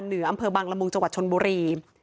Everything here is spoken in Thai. เหนืออำเภอบังละมุงจังหวัดชนบุรี